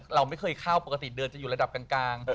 เราไม่เคยเข้าปกติเดือนจะอยู่ระดับกลาง